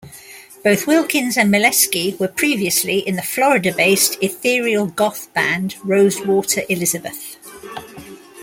Both Wilkins and Mileski were previously in the Florida-based ethereal-goth band, Rosewater Elizabeth.